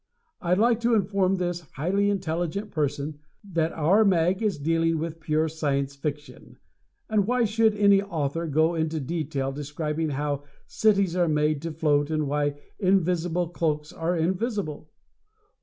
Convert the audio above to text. I'd like to inform this highly intelligent person that our mag is dealing with pure Science Fiction, and why should any author go into detail describing how cities are made to float and why invisible cloaks are invisible?